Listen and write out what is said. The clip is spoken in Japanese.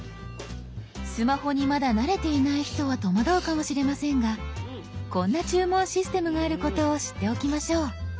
スマホにまだ慣れていない人は戸惑うかもしれませんがこんな注文システムがあることを知っておきましょう。